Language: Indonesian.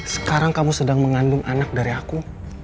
sekarang kamu sedang mengandung anak dari aku